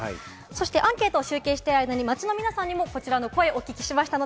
アンケートを集計している間に、街のみなさんにもこちらの声をお聞きしました。